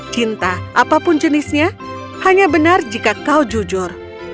cinta apapun jenisnya hanya benar jika kau jujur